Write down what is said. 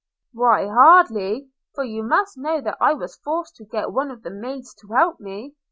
– 'Why hardly; for you must know that I was forced to get one of the maids to help me.